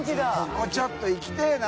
ここちょっと行きたいな。